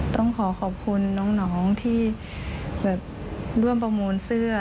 ต้องขอขอบคุณน้องที่แบบร่วมประมูลเสื้อ